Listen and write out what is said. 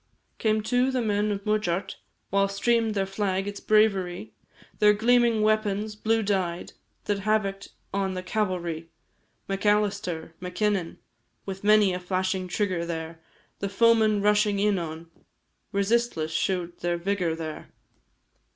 Came too the men of Muideart, While stream'd their flag its bravery; Their gleaming weapons, blue dyed, That havock'd on the cavalry. Macalister, Mackinnon, With many a flashing trigger there, The foemen rushing in on, Resistless shew'd their vigour there.